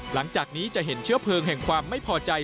หลังจากนี้จะเห็นเชื้อเพลิงแห่งความไม่พอใจ